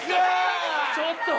ちょっと。